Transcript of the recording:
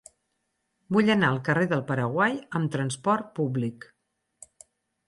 Vull anar al carrer del Paraguai amb trasport públic.